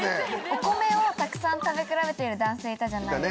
お米をたくさん食べ比べている男性いたじゃないですか。